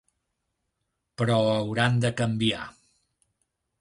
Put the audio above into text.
Però hauran de canviar.